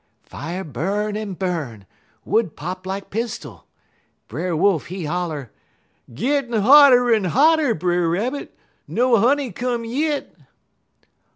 "Fier burn en burn, wood pop like pistol. Brer Wolf, he holler: "'Gittin' hotter en hotter, Brer Rabbit. No honey come yit.'